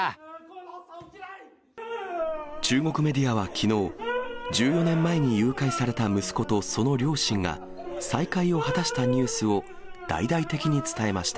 中国メディアはきのう、１４年前に誘拐された息子とその両親が、再会を果たしたニュースを大々的に伝えました。